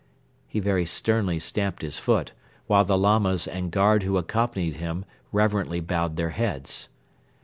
He very sternly stamped his foot, while the Lamas and guard who accompanied him reverently bowed their heads.